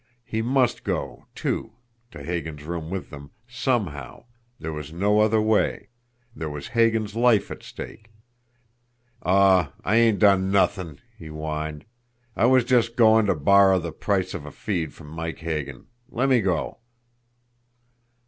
He must go, too to Hagan's room with them somehow there was no other way there was Hagan's life at stake. "Aw, I ain't done nothin'!" he whined. "I was just goin' ter borrow the price of a feed from Mike Hagan lemme go!"